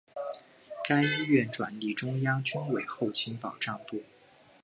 该医院转隶中央军委后勤保障部。